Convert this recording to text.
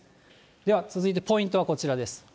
では続いて、ポイントはこちらです。